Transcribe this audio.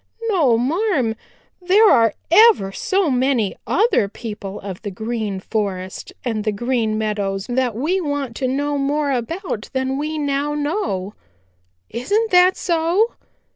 "No, marm. There are ever so many other people of the Green Forest and the Green Meadows we want to know more about than we now know. Isn't that so?"